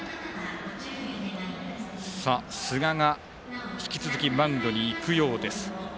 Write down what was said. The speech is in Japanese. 寿賀が引き続きマウンドに行くようです。